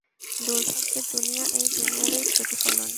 দুর্ভাগ্যের দুনিয়া এই দুনিয়ারই প্রতিফলন।